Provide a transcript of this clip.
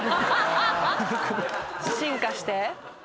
進化して？